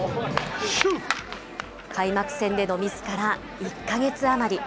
開幕戦でのミスから１か月余り。